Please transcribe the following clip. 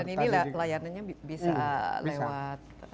dan ini layanannya bisa lewat hp